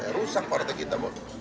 rusak partai kita